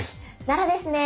奈良ですね。